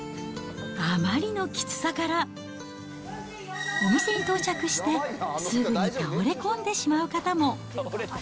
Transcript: あまりのきつさから、お店に到着してすぐに倒れ込んでしまう方も。